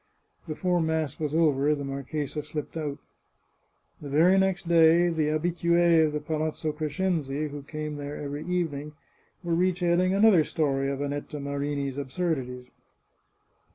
Before mass was over the marchesa slipped out. The very next day the habitues of the Palazzo Crescenzi, who came there every evening, were retailing another story 516 The Chartreuse of Parma of Annetta Marini's absurdities.